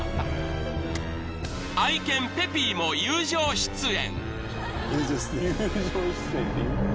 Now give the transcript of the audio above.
［愛犬ペピーも友情出演］